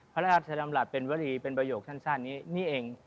พระราชดำรัฐเป็นวรีเป็นประโยคสั้นนี้นี่เอง